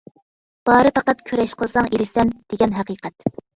بارى پەقەت كۈرەش قىلساڭ ئېرىشسەن، دېگەن ھەقىقەت.